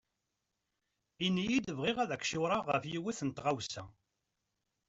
Ini-yi-d bɣiɣ ad ak-ciwreɣ ɣef yiwet n tɣawsa.